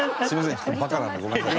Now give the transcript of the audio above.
ちょっとバカなんでごめんなさい。